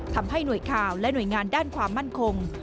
ทำให้หน่วยข่าวและหน่วยงานด้านความมั่นคง